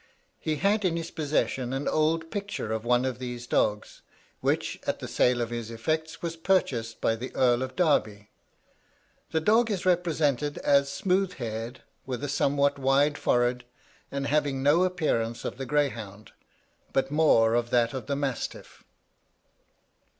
He had in his possession an old picture of one of these dogs, which, at the sale of his effects, was purchased by the Earl of Derby; the dog is represented as smooth haired, with a somewhat wide forehead, and having no appearance of the greyhound, but more of that of the mastiff.